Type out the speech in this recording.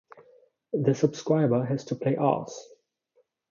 The subscriber has to pay Rs.